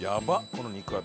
この肉厚。